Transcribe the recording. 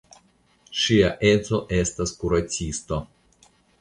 Ŝia edzo estas kuracisto.